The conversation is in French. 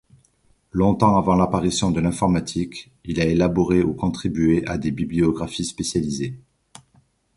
Longtemps avant l’apparition de l‘informatique, il a élaboré ou contribué à des bibliographies spécialisées.